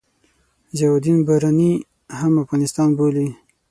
ضیاألدین برني هم افغانستان بولي.